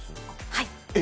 はい。